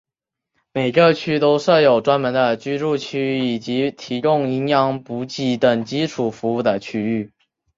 每个区都设有专门的居住区以及提供营养补给等基础服务的区域。